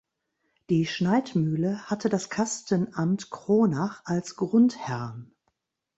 Die Schneidmühle hatte das Kastenamt Kronach als Grundherrn.